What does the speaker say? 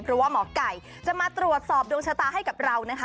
เพราะว่าหมอไก่จะมาตรวจสอบดวงชะตาให้กับเรานะคะ